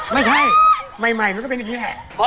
ไม่ใช่ใหม่มันก็เป็นอย่างนี้แหละ